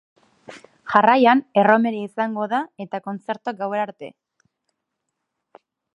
Jarraian, erromeria izango da eta kontzertuak gauera arte.